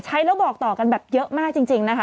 ใช้แล้วบอกต่อกันแบบเยอะมากจริงนะคะ